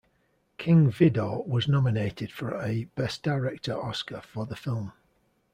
King Vidor was nominated for a Best Director Oscar for the film.